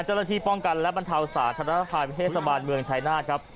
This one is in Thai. เจ้าหน้าที่ป้องกันและบรรเทาสาธารณภัยเทศบาลเมืองชายนาฏครับ